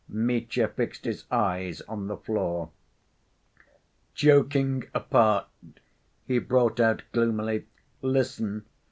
Mitya fixed his eyes on the floor. "Joking apart," he brought out gloomily. "Listen.